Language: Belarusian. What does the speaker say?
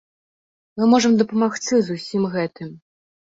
Мы можам дапамагчы з усім гэтым.